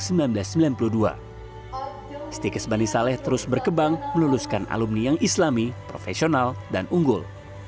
sikis bani saleh terus berkembang meluluskan alumni yang islami profesional dan unggul